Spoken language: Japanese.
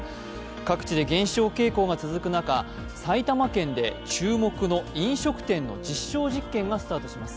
各地で減少傾向が続く中、埼玉県で注目の飲食店の実証実験がスタートします。